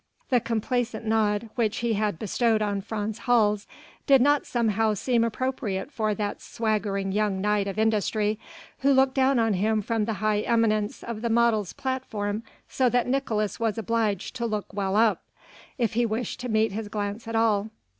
The complaisant nod which he had bestowed on Frans Hals did not somehow seem appropriate for that swaggering young knight of industry, who looked down on him from the high eminence of the model's platform so that Nicolaes was obliged to look well up, if he wished to meet his glance at all.